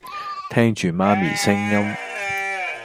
聽住媽咪聲音